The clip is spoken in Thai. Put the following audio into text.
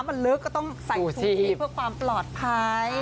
มันลึกก็ต้องใส่ถุงนี้เพื่อความปลอดภัย